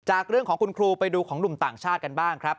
จากเรื่องของคุณครูไปดูของหนุ่มต่างชาติกันบ้างครับ